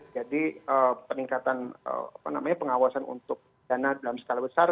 jadi peningkatan pengawasan untuk dana dalam skala besar